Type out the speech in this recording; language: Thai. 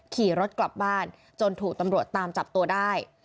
ขี่รถกลับบ้านจนถูกตำรวจตามจับตัวได้